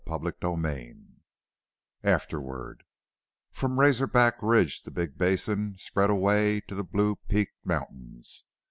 CHAPTER XXXI AFTERWARD From Razor Back ridge the big basin spread away to the Blue Peak mountains.